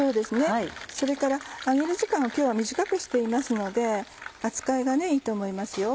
それから揚げる時間を今日は短くしていますので扱いがいいと思いますよ。